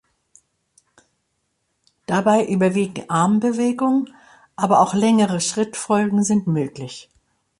Dabei überwiegen Armbewegungen, aber auch längere Schrittfolgen sind möglich.